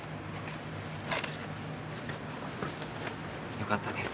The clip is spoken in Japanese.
よかったです。